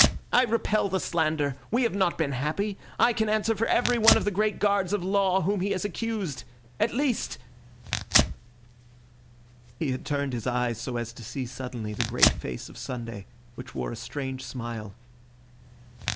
I repel the slander; we have not been happy. I can answer for every one of the great guards of Law whom he has accused. At least—" He had turned his eyes so as to see suddenly the great face of Sunday, which wore a strange smile.